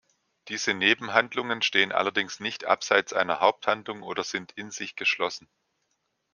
Diese „Nebenhandlungen“ stehen allerdings nicht abseits einer Haupthandlung oder sind in sich geschlossen.